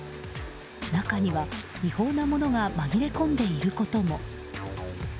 中には、違法なものが紛れ込んでいることも。